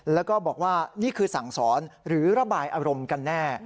แล้วก็บอกว่านี่คือสั่งสอนหรือระบายอารมณ์กันแน่